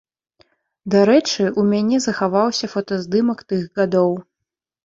Дарэчы, у мяне захаваўся фотаздымак тых гадоў.